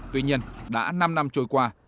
tuy nhiên đã năm năm trôi qua